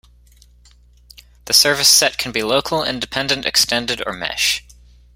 The service set can be local, independent, extended or mesh.